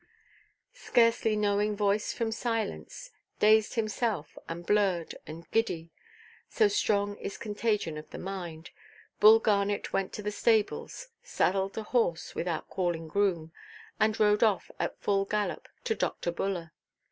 Scarcely knowing voice from silence, dazed himself, and blurred, and giddy—so strong is contagion of the mind—Bull Garnet went to the stables, saddled a horse without calling groom, and rode off at full gallop to Dr. Buller.